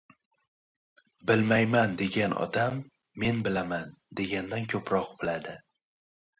• Bilmayman degan odam, “men bilaman” degandan ko‘proq biladi.